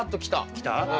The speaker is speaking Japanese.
きた？